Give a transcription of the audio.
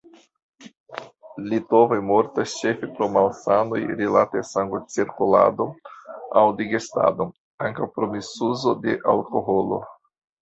Litovoj mortas ĉefe pro malsanoj rilate sangocirkuladon aŭ digestadon; ankaŭ pro misuzo de alkoholo.